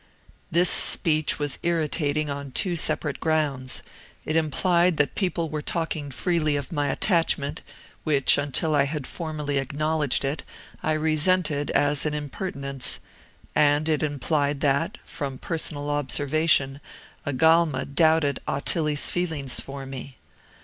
"This speech was irritating on two separate grounds. It implied that people were talking freely of my attachment, which, until I had formally acknowledged it, I resented as an impertinence; and it implied that, from personal observation, Agalma doubted Ottilie's feelings for me.